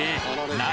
何？